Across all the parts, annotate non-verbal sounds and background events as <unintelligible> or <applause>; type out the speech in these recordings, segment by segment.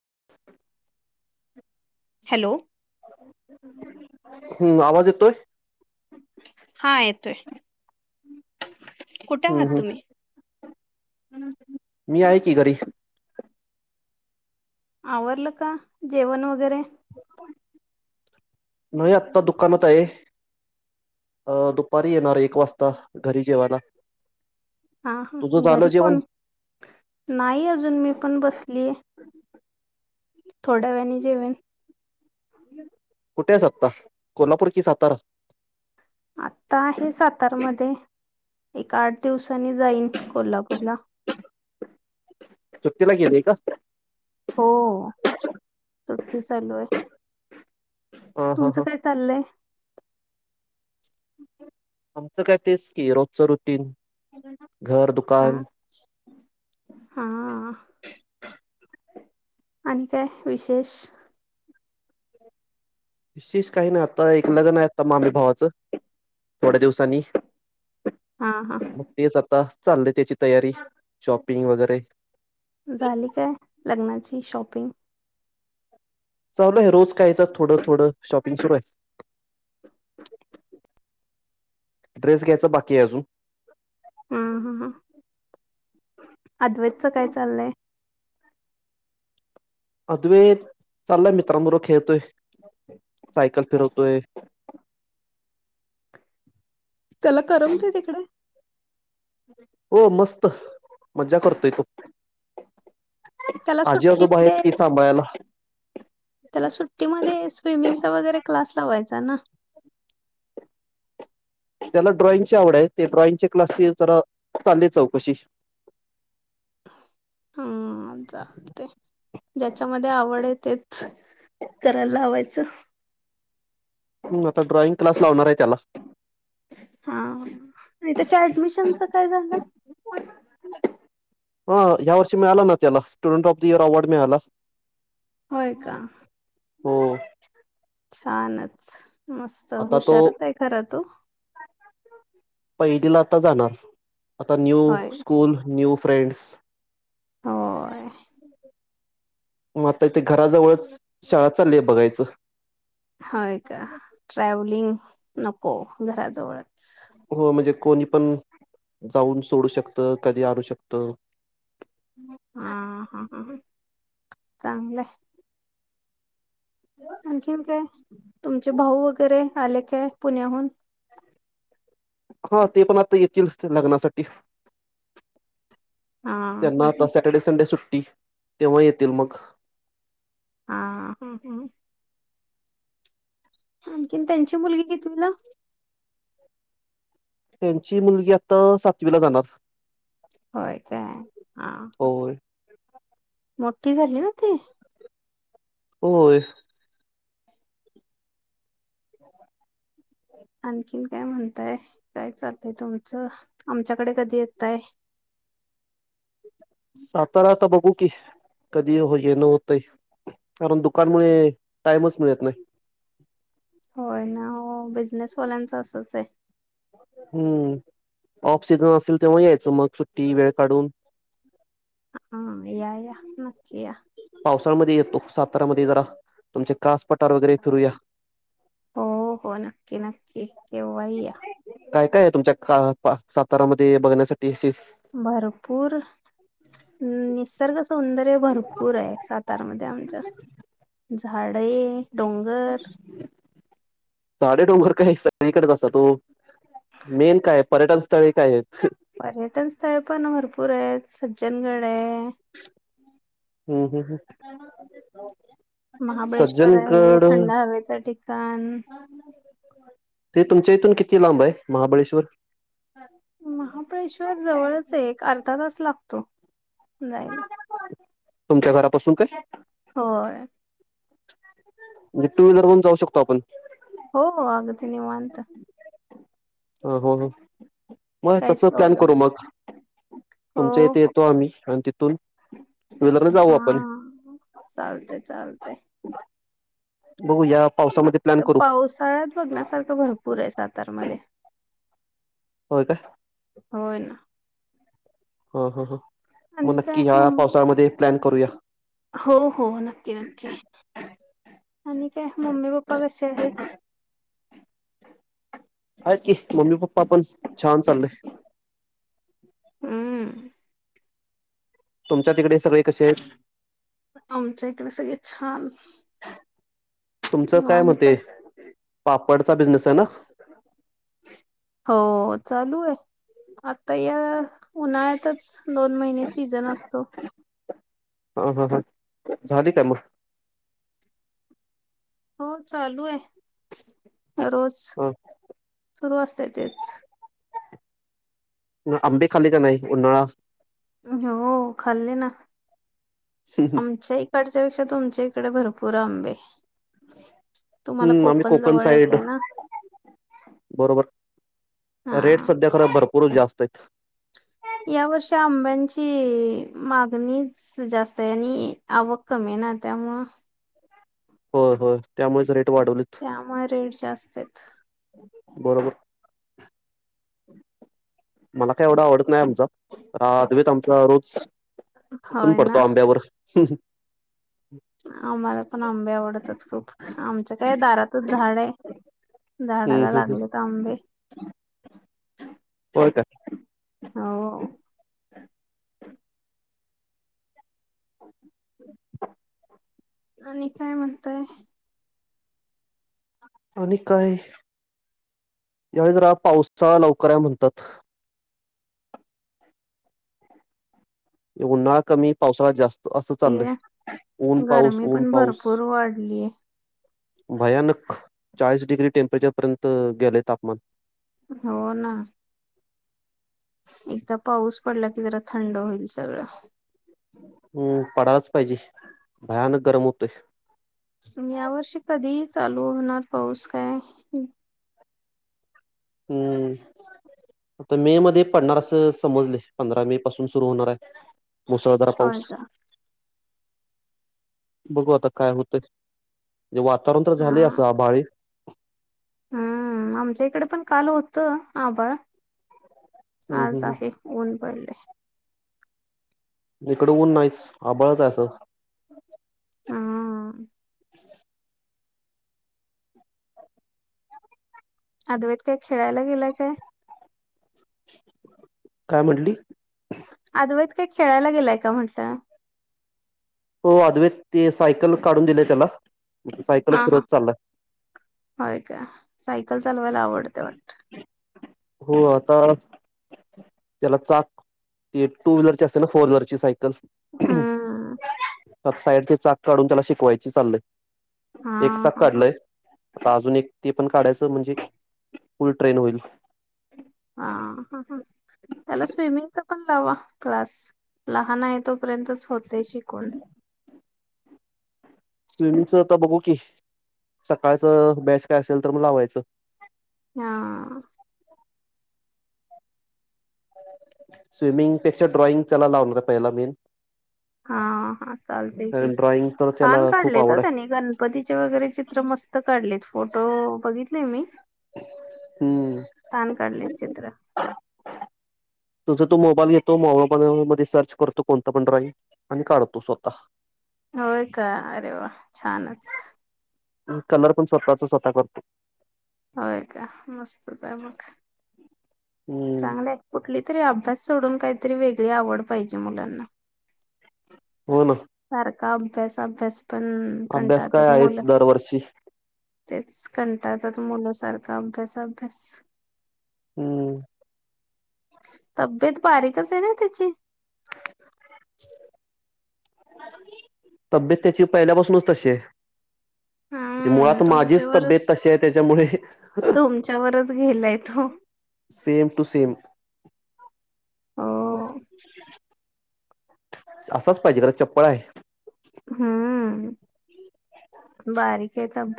<inaudible> Hello. हम्म, आवाज येतोय? हा येतोय. कुठे हम्म आहात हम्म तुम्ही? मी आहे की घरी. आवरलं का जेवण वगैरे? नाही आता दुकानात आहे अ दुपारी येणार एक वाजता घरी जेवायला. हा, हा तुझं झालं घरी जेवण कोण? नाही अजून मी पण बसलीय. थोड्या वेळेने जेवेन. कुठे आहेस आत्ता कोल्हापूर कि सातारा? आता आहे सातारमध्ये एक आठ दिवस जाईन कोल्हापूरला. सुुट्टीला गेेलीय का? हो सुट्टी चालू आहे. हा हा तुमचं हा काय चाललंय? आमचं काय तेच की रोजचं रूटिन. आ? हा, हा. आणि काय विशेष? विशेष काही ना आता एक लग्न आहे आता मामे भावाचं थोड्या दिवसांनी. हा हा मग तेच आता चाललंय त्याची तयारी शॉपिंग वगैरे. झाली काय लग्नाची शॉपिंग? चालू आहे रोज कायचा थोडं थोडं शॉपिंग सुरू आहे. ड्रेस घ्यायचा बाकी आहे अजून. हम्म, हम्म, हम्म. अद्वेदचं काय चाललंय? अद्वैत चाललाय मित्रांबरोबर खेळतोय, सायकल फिरवतोय त्याला करमतय तिकडं? हो मस्त, मजा करतोय तो. त्याला आजी, आजोबा आहेत कि सुट्टीमध्ये सांभाळायला. त्याला सुट्टीमध्ये स्विमिंगचा वगैरे क्लास लावायचा ना. त्याला ड्रॉइंगची आवड आहे ते ड्रॉइंगच्या क्लासची जरा चालले चौकशी. हम्म चालते ज्याच्यामध्ये आवड आहे ते करायला लावायचं. चं हम्म आता ड्रॉइंग क्लास लावणार आहे त्याला. हा आणि त्याच्या ऍडमिशनच काय झालं हा या वर्षी मिळाला ना त्याला student of the year award मिळाला. होय का? हो. छानच मस्त आता तो हुशारच आहे खर तू पहिलीला आता जाणार आता न्यू होय स्कूल न्यू फ्रेंड्स <inaudible> होय मग आता इथे घराजवळच शाळा चाललीय बघायचं हाय का ट्रॅव्हलिंग नको घराजवळच हो म्हणजे कोणी पण जाऊन सोडू शकत कधी आणू शकत. हा हा ह चांगलंय आणखीन काय तुमचे भाऊ वगैरे आले काय पुण्याहून हो ते पण आता येतील लग्नासाठी हा हा त्यांना आता सॅटर्डे संडे सुट ट्टी तेव्हा येतील मग हा हूं हूं आणखीन त्यांची मुलगी कितवीला त्यांची मुलगी आता सातवीला जाणार होय काय हा होय मोठी झाली ना ती होय. आणखीन काय म्हणताय काय चालतय तुमचं आमच्याकडे कधी येताय. सातारा आता बघू की कधी य ये न होतय कारण दुकान मुळे टाइमच मिळत नाही. होय ना ओ बिझनेसवाल्यांचं असच आहे. हूं ऑफ सिजन असेल तेव्हा यायचं मग सुट्टी वेळ काढून हा या या नक्की या पावसाळमध्ये येतो सातारमध्ये जरा तुमचे का हो हो नक्की नक्की केव्हा ही या काय काय तुमच्या का पा सातारामध्ये बघण्यासाठी अशी भरपूर निसर्ग सौंदर्य भरपूर आहे सातारमध्ये आमच्या झाडे डोंगर का हे सगळीकडच असतात ओ मेन काय पर्यटन स्थळे काय आहेत. पर्यटन स्थळे पण भरपूर आहेत सज्जनगड ये. हूं हूं हूं <inaudible> महाबळेश्वर आहे थंड हवेचं ठिकाण ते तुमच्या इथून किती लांब आहे महाबाळेश्वर? महाबळेश्वर जवळच हाय, एक अर्धा तास लागतो. जायला. तुमच्या घरापासून काय? होय. म्हणजे टूव्हीलरहून जाऊ शकतो आपण? हो, हो आगदी निवांत. हो, हो, हो. मग तेच काहीच प्लॅन प्रॉब्लेम करू नाही मग. तुमच्या हो इथे हो येतो आम्ही आणि तिथून टुविलरन जाऊ आपण. हां चालतंय चालतंय बघू या पावसामध्ये प्लॅन करू पावसाळ्यात बघण्यासारखं भरपूर आहे सातारमध्ये. होय, काय? होय ना. हं, हं, हं. मग आणि नक्की काय ह्या मम पावसाळमध्ये प्लॅन करूया. हो, हो नक्की नक्की. आणि काय मम्मी, पप्पा कशे आहेत? हायत की. मम्मी, पप्पा पण छान चाललंय. हम्म. तुमच्या तिकडे सगळे कसे आहेत आमच्या इकडे सगळे छान तुमचं काय मत निवांत हे पापडचा बिझनेस आहे ना? हो चालू आहे. आता या उन्हाळ्यातच दोन महिने सीझन असतो. हा, हा, हा. झाली का मग? हो चालू आहे. रोज ह सुरू असतंय तेच. आंबे खाले काय नाही? उन्हाळा हो खाल्ले ना. आमच्या इकडं आमच्यापेक्षा तुमच्या इकडे भरपूर आंबे. तुम्हाला हम्म आम्ही कोकण जवळ कोकणसाईड येतय ना बरोबर. रेट हा. सध्या खर भर पुर जास्त आहेत. या वर्षी आंब्यांची मागणीच जास्त आहे आणि आवक कमी आहे ना त्यामुळं होय, होय त्यामुळेच रेट वाढवलेत त्यामुळे रेट जास्त आहेत. बरोबर. मला काय एवढं आवडत नाही आं चा खर अद्वैत आ त्याला रोज तूटून होय पडतो ना आंब्यावर. <inaudible> आम्हाला पण आंबे आवडतात खूप. आमच्या काय दारातच झाड आहे, हम्म झाडाला हम्म हम्म लागलेत आंबे. होय काय? अ हो. आणि काय म्हणताय? आणिक काय यावेळी जरा पावसाळा लवकर आहे म्हणतात. उन्हाळा कमी पावसाळा जास्त त असं ये चाललंय. ऊन पाऊस, गरमी ऊन पण पाऊस. भरपूर वाढलीय भयानक चाळीस डिग्री टेम्परेचरपर्यंत गेलेय तापमान. हो ना. एकदा पाऊस पडला की जरा थंड होईल सगळं. हम्म पडायलाच पाहिजे, भयानक गरम होतंय. तुम्ही या वर्षी कधी चालू होणार पाऊस काय हम्म आता मेमध्ये पडणार असं समजलंय. पंधरा मे पासून सुरू होणार हाय. मुसळधार होय पाऊस. का बघू आता काय होतंय. म्हणजे वातावरण तर हा झालंय असं आभाळी. हम्म आमच्या इकडे पण काल होतं आभाळ. हम्म आज हम्म आहे ऊन पडलंय. इकडं ऊन नाहीच आभाळच आहे असं हं. अद्वैत काय खेळायला गेलाय काय? काय म्हंटली? अद्वैत काय खेळायला गेलाय का म्हटलं? हो अद्वेेत ते सायकल काढून दिलंय त्याला सायकल हा, फिरवत हा. चाललाय होय का? सायकल चालवायला आवडतंय वाटत. हो. आता <inaudible> त्याला चाक ती टू व्हीलरची असते ना फोर व्हीलरची सायकल हूं त्यात साईड ते चाक काढून त्याला शिकवायची चाललंय हा एक चाक हा हा काढलंय आता अजून एक ते पण काढायचं म्हणजे फुल ट्रेन होईल. हा हा हा त्याला स्विमिंगच पण लावा क्लास लहान आहे तोपर्यंतच होतय शिकून स्विमिंगचं आता बघू की सकाळचं बॅच काय असेल तर मग लावायचं. हा स्विमिंगपेक्षा ड्रॉइंग त्याला लावणार पहिला मी हा हा चालतय की कारण ड्रॉइंग तर <unintelligible> त्याला खूप काढलयका आवड आहे त्यांनी गणपतीचे वगैरे चित्र मस्त काढलेत. फोटो बघितले मी हम्म छान काढले. चित्र तुझं तु मोबाईल घेतो मोबाईल मध्ये सर्च करतो कोणत पण ड्रॉइंग आणि काढतो स्वतः होय का अरे वा छानच कलर पण स्वतःच स्वतः करतो. होय का मस्तच ये मग हम्म चांगलंय कुठली तरी अभ्यास सोडून काहीतरी वेगळी आवड पाहिजे मुलांना हो ना सारका अभ्यास अभ्यास पण अभ्यास काय कंटाळतात आहेच मुलं दरवर्षी तेच कंटातात मुलसारखा अभ्यास अभ्यास हूं तब्येत बारीकच आहे ना त्याची तब्येत त्याची पहिल्यापासूनच तशी आहे. हम्म मुळात माझीच तुमच्यावरच तब्येत तशी आहे त्याच्यामुळे तुमच्यावरच गेलाय तो सेम टू सेम हो <inaudible> असाच पाहिजे जरा चपळ आहे. हूं बारीक ते कामं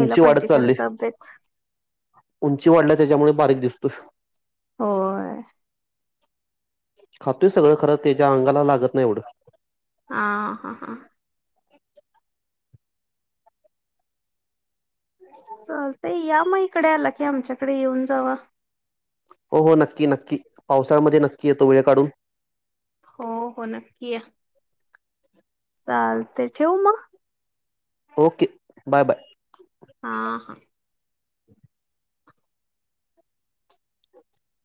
उंची वाढत पाहिजे खरं चालली तब्येत उंची वाढल्या त्याच्यामुळ बारीक दिस <inaudible> होय खातोय सगळं खरं त्याच्या अंगाला लागत नाय एवढं हां हां हां <inaudible> चालतय या मग इकडे आला की आमच्याकडे येऊन जावा हों हों नक्की नक्की पावसाळ्यामध्ये नक्की येतो वेळ काढून हो, हो नक्की या. चालतय. ठेवू मग? Okay bye bye. हां, हां.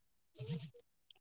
<inaudible>